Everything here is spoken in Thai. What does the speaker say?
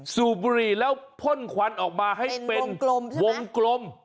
สูบบุหรี่แล้วพ่นควันออกมาให้เป็นวงกลม